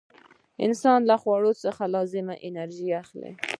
انسان له خوړو څخه لازمه انرژي اخلي.